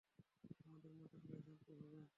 আমাদের মন্ত্রণালয়েও জানাতে হবে।